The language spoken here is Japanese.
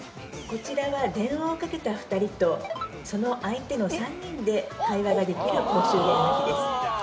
こちらは電話をかけた２人とその相手の３人で会話ができる公衆電話機です。